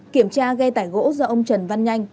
kiểm tra ghe tải gỗ do ông trần văn nhanh